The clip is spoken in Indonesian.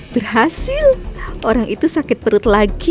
berhasil orang itu sakit perut lagi